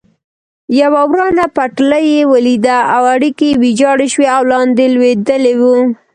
یوه ورانه پټلۍ ولیده، اړیکي یې ویجاړ شوي او لاندې لوېدلي و.